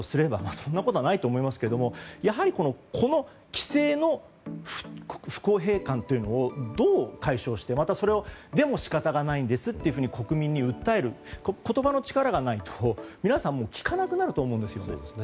そんなことはないと思いますがやはりこの規制の不公平感というのをどう解消してまた、でも仕方ないんですと国民に訴える言葉の力がないと皆さん聞かなくなると思うんですね。